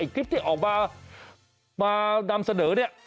คลิปที่ออกมานำเสนอเนี่ย